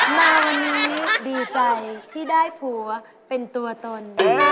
มาวันนี้ดีใจที่ได้ผัวเป็นตัวตน